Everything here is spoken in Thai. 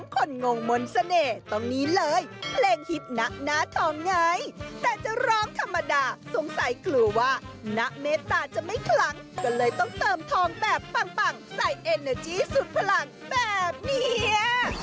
ก็เลยต้องเติมทองแบบปังใส่เอเนอร์จี้สุดพลังแบบเนี่ย